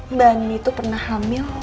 mbak nini tuh pernah hamil